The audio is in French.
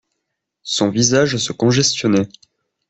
Son visage se congestionnait.